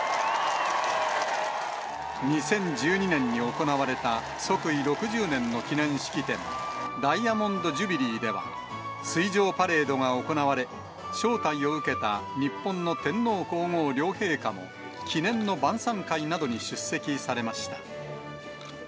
２０１２年に行われた即位６０年の記念式典、ダイヤモンド・ジュビリーでは、水上パレードが行われ、招待を受けた日本の天皇皇后両陛下も、記念の晩さん会などに出席されました。